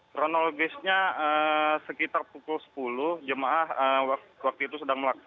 kronologisnya sekitar pukul sepuluh jemaah waktu itu sedang melaksanakan